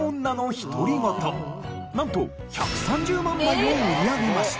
なんと１３０万枚を売り上げました。